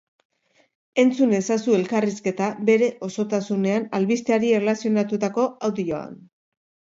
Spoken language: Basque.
Entzun ezazu elkarrizketa bere osotasunean albisteari erlazionatutako audioan.